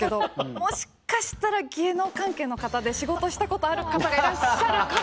もしかしたら芸能関係の方で仕事したことある方がいらっしゃるかも。